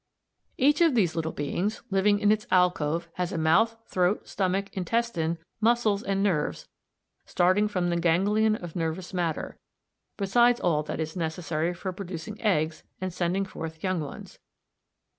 ] Each of these little beings (a, Fig 72) living in its alcove has a mouth, throat, stomach, intestine, muscles, and nerves starting from the ganglion of nervous matter, besides all that is necessary for producing eggs and sending forth young ones.